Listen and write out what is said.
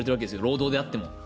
労働であっても。